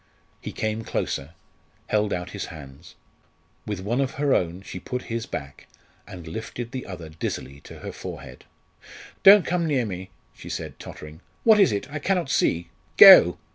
He came closer, held out his hands. With one of her own she put his back, and lifted the other dizzily to her forehead. "Don't come near me!" she said, tottering. "What is it? I cannot see. Go!"